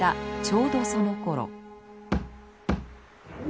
ちょうどそのころ。